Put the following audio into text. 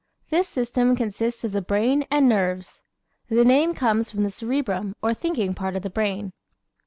This system consists of the brain and nerves. The name comes from the cerebrum or thinking part of the brain.